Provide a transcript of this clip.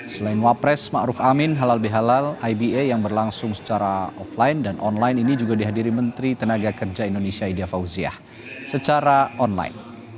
selain wapres ⁇ maruf ⁇ amin halal bihalal iba yang berlangsung secara offline dan online ini juga dihadiri menteri tenaga kerja indonesia ida fauziah secara online